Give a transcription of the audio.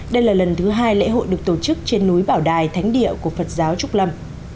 đây là lần thứ hai lễ hội được tổ chức trên núi bảo đài thánh địa của phật giáo trúc lâm